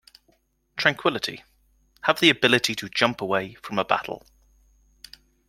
Tranquillity, have the ability to "jump" away from a battle.